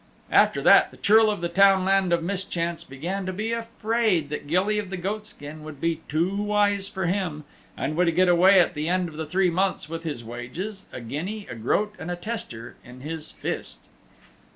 After that the Churl of the Townland of Mischance began to be afraid that Gilly of the Goatskin would be too wise for him, and would get away at the end of the three months with his wages, a guinea, a groat and a tester, in his fist.